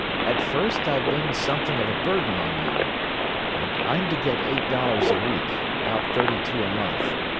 "At first I'd have been something of a burden on you. I'm to get eight dollars a week; about thirty two a month.